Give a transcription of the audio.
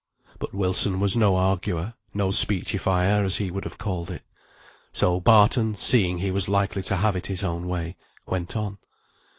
But Wilson was no arguer; no speechifier as he would have called it. So Barton, seeing he was likely to have it his own way, went on.